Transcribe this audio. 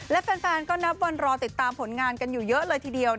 และแฟนก็นับวันรอติดตามผลงานกันอยู่เยอะเลยทีเดียว